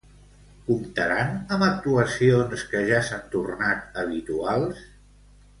Comptaran amb actuacions que ja s'han tornat habituals?